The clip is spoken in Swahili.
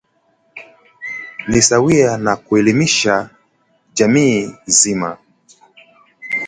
ni sawia na kuelimisha jamii nzima